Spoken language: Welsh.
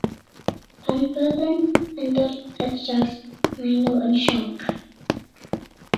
Pan fyddwn yn dod ar eu traws, maen nhw'n sionc.